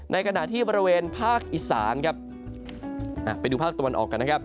ในขณะที่บริเวณภาคอิสานนะครับไปดูภาคตะวันออก